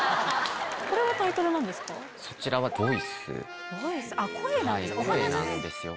これはタイトル何ですか？